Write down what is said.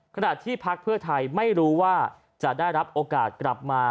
ขณะที่พักเพื่อไทยไม่รู้ว่าจะได้รับโอกาสกลับมา